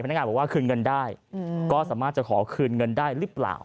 นักงานบอกว่าคืนเงินได้ก็สามารถจะขอคืนเงินได้หรือเปล่า